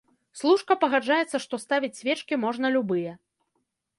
Служка пагаджаецца, што ставіць свечкі можна любыя!